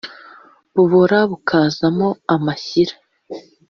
Bubora bukazamo amashyira